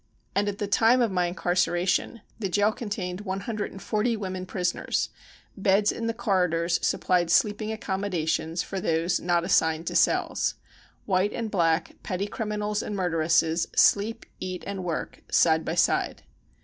And at the time of my incarceration, the jail contained one hundred and forty women prisoners Beds in the corridors supplied sleeping accommodations for those not assigned to cells. White and black, petty criminals and murderesses sleep, eat and work, side by side.